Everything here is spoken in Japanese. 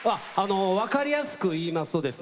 分かりやすく言いますとですね